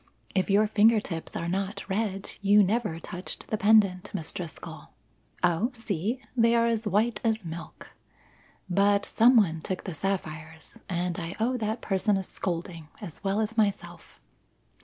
If your finger tips are not red, you never touched the pendant, Miss Driscoll. Oh, see! They are as white as milk. "But some one took the sapphires, and I owe that person a scolding, as well as myself.